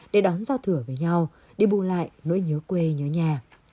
để đón giao thừa với nhau để bù lại nỗi nhớ quê nhớ nhà